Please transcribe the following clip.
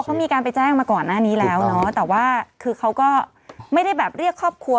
เขามีการไปแจ้งมาก่อนหน้านี้แล้วเนาะแต่ว่าคือเขาก็ไม่ได้แบบเรียกครอบครัว